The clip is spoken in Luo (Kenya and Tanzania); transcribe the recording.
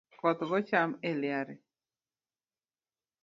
Koth goyo cham eliare